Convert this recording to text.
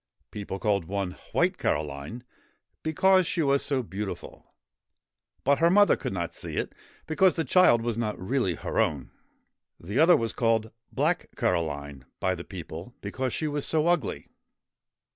People called one 'White Caroline,' because she was so beautiful. But her mother could not see it, because the child was not really her own. The other was called ' Black Caroline ' by the people, because she was so ugly.